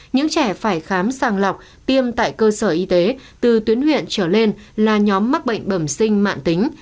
những trẻ phải khám sàng lọc tiêm tại cơ sở y tế từ tuyến huyện trở lên là nhóm mắc bệnh bẩm sinh mạng tính